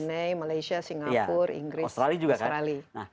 bnay malaysia singapura inggris australia